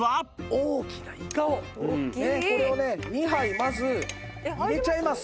大きなイカをこれをね２杯まず入れちゃいます。